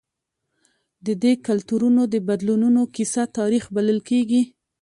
د دې کلتورونو د بدلونونو کیسه تاریخ بلل کېږي.